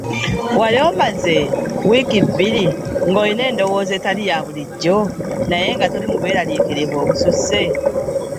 Wali omazeeko wiiki bbiri ng’olina endowooza etali ya bulijjo naye nga toli mu bweraliikirivu obususse.